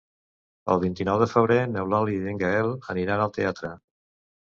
El vint-i-nou de febrer n'Eulàlia i en Gaël aniran al teatre.